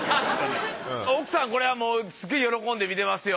奥さんこれはもうすげぇ喜んで見てますよ。